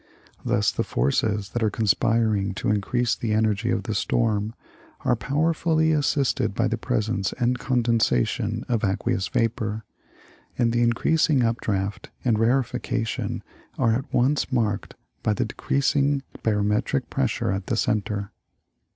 Thus the forces that are con spiring to increase the energy of the storm are powerfully assisted by the presence and condensation of aqueous vapor, and the increasing updraught and rarefaction are at once marked by the decreasing barometric pressure at the center.